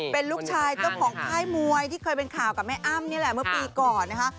เป็นลูกชายเจ้าของค่ายมวยที่เคยเป็นข่าวกับแม่อ้ำนี่แหละเมื่อปีก่อนนะคะ